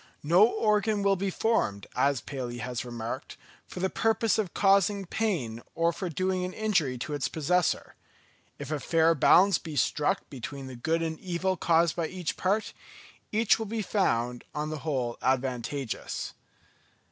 No organ will be formed, as Paley has remarked, for the purpose of causing pain or for doing an injury to its possessor. If a fair balance be struck between the good and evil caused by each part, each will be found on the whole advantageous.